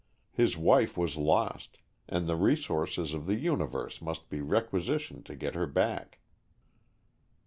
His wife was lost, and the resources of the universe must be requisitioned to get her back.